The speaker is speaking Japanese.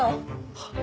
はっ？